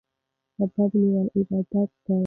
سبب نیول عبادت دی.